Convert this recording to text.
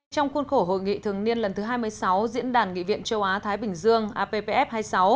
trong khuôn khổ hội nghị thường niên lần thứ hai mươi sáu diễn đàn nghị viện châu á thái bình dương appf hai mươi sáu